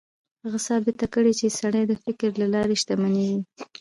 هغه ثابته کړه چې سړی د فکر له لارې شتمنېږي.